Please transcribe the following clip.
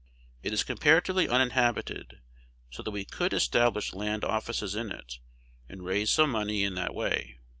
It is comparatively uninhabited; so that we could establish land offices in it, and raise some money in that way.